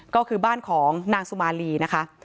ก็คือบ้านของนางสุมาลีนะคะ